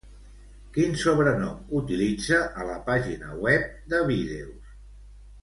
Quin sobrenom utilitza a la pàgina web de vídeos?